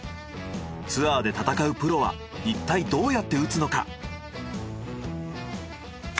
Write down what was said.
ツアーで戦うプロはいったいどうやって打つのか？